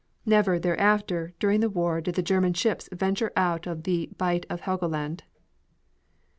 Never, thereafter, during the war did the German ships venture out of the Bight of Helgoland.